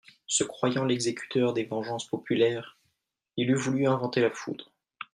Se croyant l'exécuteur des vengeances populaires il eût voulu inventer la foudre.